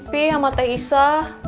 pie sama teh isa